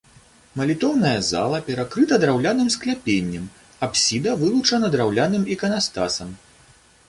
Малітоўная зала перакрыта драўляным скляпеннем, апсіда вылучана драўляным іканастасам.